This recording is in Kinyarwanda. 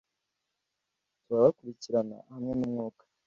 Turabakurikirana! Hamwe n'umwuka